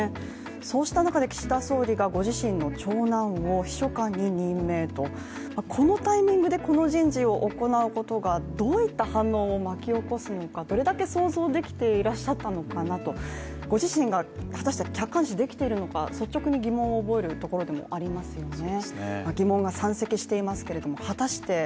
そうした中で岸田総理がご自身の長男を秘書官に任命とこのタイミングでこの人事を行うことがどういった反応を巻き起こすのか、どれだけ想像できていらっしゃったのかなと、ご自身が果たして客観視できているのが率直に疑問を覚えるところでもありますよね。